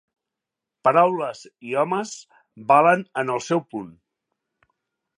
Paraules i homes valen en el seu punt.